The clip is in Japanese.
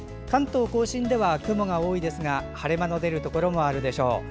関東・甲信では雲が多いですが晴れ間の出るところもあるでしょう。